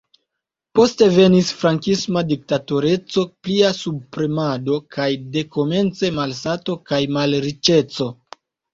Poste venis frankisma diktatoreco, plia subpremado kaj dekomence malsato kaj malriĉeco.